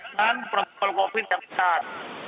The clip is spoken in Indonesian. dengan proses covid yang besar